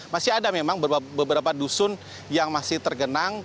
masih ada memang beberapa dusun yang masih tergenang